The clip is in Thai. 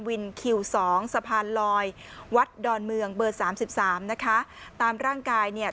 คิวสองสะพานลอยวัดดอนเมืองเบอร์สามสิบสามนะคะตามร่างกายเนี่ย